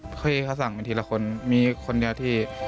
พี่เขาสั่งเป็นทีละคนมีคนเดียวที่